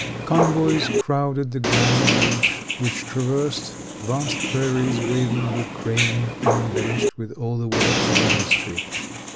Convoys crowded the grand route, which traversed vast prairies waving with grain and embellished with all the works of industry.